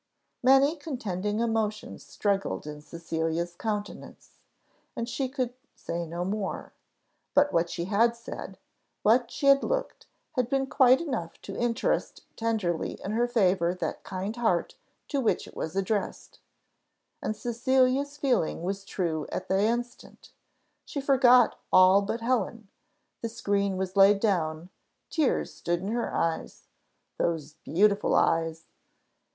Many contending emotions struggled in Cecilia's countenance, and she could say no more: but what she had said, what she had looked, had been quite enough to interest tenderly in her favour that kind heart to which it was addressed; and Cecilia's feeling was true at the instant; she forgot all but Helen; the screen was laid down; tears stood in her eyes those beautiful eyes!